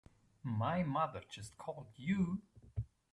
My mother just called you?